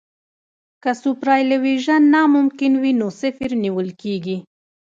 که سوپرایلیویشن ناممکن وي نو صفر نیول کیږي